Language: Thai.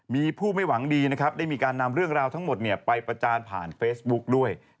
มีผู้ไม่หวังดีนะครับได้มีการนำเรื่องราวทั้งหมดไปประจานผ่านเฟซบุ๊กด้วย